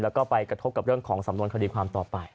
แล้วก็ไปกระทบกับเรื่องของสำนวนคดีความต่อไป